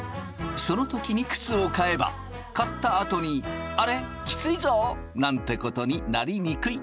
その時に靴を買えば買ったあとに「あれ？きついぞ？」なんてことになりにくい。